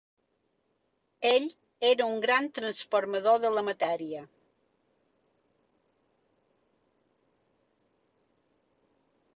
Ell era un gran transformador de la matèria.